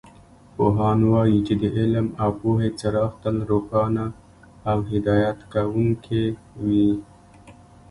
پوهان وایي چې د علم او پوهې څراغ تل روښانه او هدایت کوونکې وي